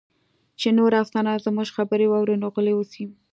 چې نور افسران زموږ خبرې واوري، نو غلي اوسئ.